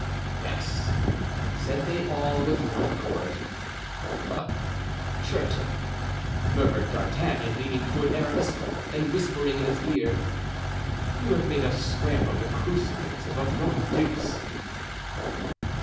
"Yes," said they all, with one accord. "Ah, traitor!" muttered D'Artagnan, leaning toward Aramis and whispering in his ear, "you have made us swear on the crucifix of a Frondeuse."